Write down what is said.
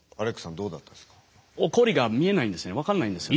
どうだったですか？